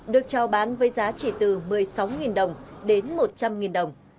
được trao bán với giá chỉ từ một mươi sáu đồng đến một trăm linh đồng